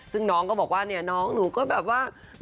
ซึ่งน้องก็บอกว่าเนี่ยน้องหนูก็แบบว่า